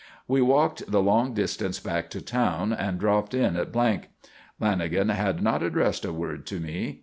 We walked the long distance back to town and dropped in at . Lanagan had not addressed a word to me.